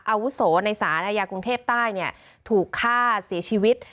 อาวุโสในสารอาญากรุงเทพใต้ถูกฆ่าเสียชีวิต